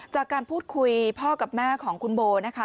จากการพูดคุยพ่อกับแม่ของคุณโบนะคะ